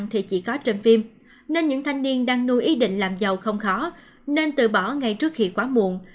thì chỉ có trên phim nên những thanh niên đang nuôi ý định làm giàu không khó nên từ bỏ ngay trước khi quá muộn